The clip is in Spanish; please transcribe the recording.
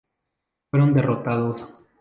Fueron derrotados.